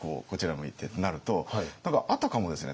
向いてってなると何かあたかもですね